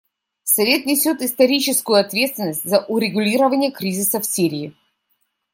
Совет несет историческую ответственность за урегулирование кризиса в Сирии.